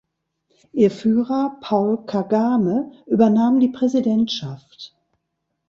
Ihr Führer, Paul Kagame, übernahm die Präsidentschaft.